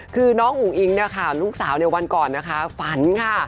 คือน้องอุ๋งอิงลูกสาววันก่อนฝันค่ะ